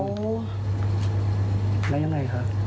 แล้วยังไงคะ